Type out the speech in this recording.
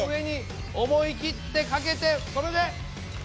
思い切ってかけてそれで。